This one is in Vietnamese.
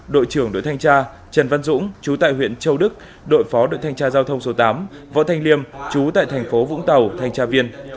đội trưởng đội thanh tra trần văn dũng chú tại huyện châu đức đội phó đội thanh tra giao thông số tám võ thanh liêm chú tại thành phố vũng tàu thanh tra viên